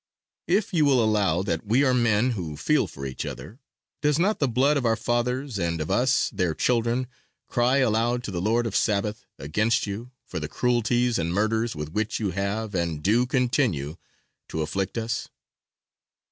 If you will allow that we are men, who feel for each other, does not the blood of our fathers and of us, their children, cry aloud to the Lord of Sabaoth against you for the cruelties and murders with which you have and do continue to afflict us?"